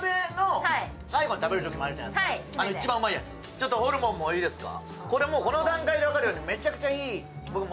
ちょっとホルモンもいいですか？